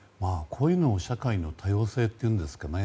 こういうのを社会の多様性というんですかね。